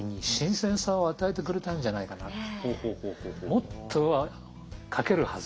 もっと描けるはず。